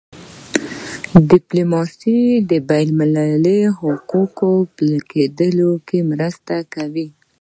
ډیپلوماسي د بینالمللي حقوقو په پلي کېدو کي مرسته کوي.